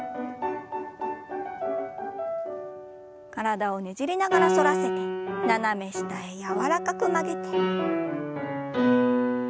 体をねじりながら反らせて斜め下へ柔らかく曲げて。